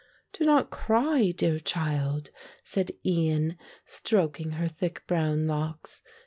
"Do not cry, dear child," said Ian, stroking her thick brown locks.